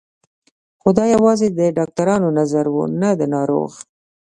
خو دا يوازې د ډاکترانو نظر و نه د ناروغ.